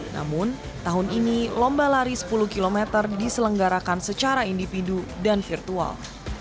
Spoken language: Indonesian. namun tahun ini lomba lari sepuluh km diselenggarakan secara individu dan virtual